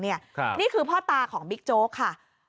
นี่คือพ่อตาของบิ๊กโจ๊กค่ะ